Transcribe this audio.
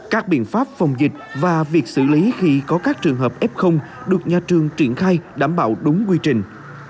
các biện pháp phòng dịch và việc xử lý khi có các trường hợp f được nhà trường triển khai đảm bảo đúng quy trình